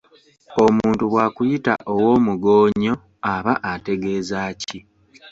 Omuntu bwakuyita ow'omugoonyo aba ategeeza ki?